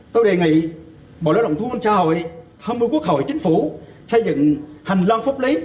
tôi đề nghị bộ lãi động thuân hình xã hội hai mươi quốc hội chính phủ xây dựng hành loạn pháp lý